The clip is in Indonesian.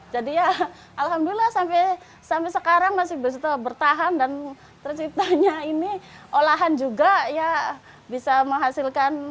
jadi ya alhamdulillah sampai sekarang masih bertahan dan terciptanya ini olahan juga ya bisa menghasilkan